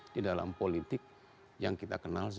di dalam politik yang kita kenal